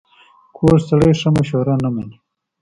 کوږ سړی ښه مشوره نه مني